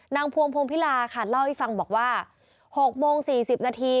พวงพงภิลาค่ะเล่าให้ฟังบอกว่า๖โมง๔๐นาที